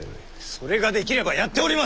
それができればやっております！